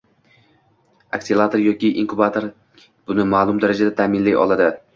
Akselator yoki inkubator buni maʼlum darajada taʼminlay oladi